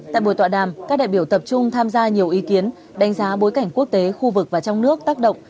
tại buổi tọa đàm các đại biểu tập trung tham gia nhiều ý kiến đánh giá bối cảnh quốc tế khu vực và trong nước tác động